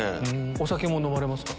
お酒も飲まれますか？